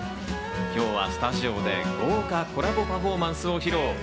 今日はスタジオで豪華コラボパフォーマンスを披露。